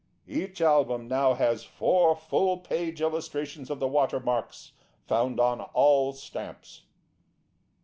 Each Album now has four full page Illustrations of the Watermarks found on all Stamps.